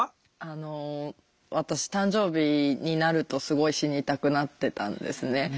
あの私誕生日になるとすごい死にたくなってたんですね。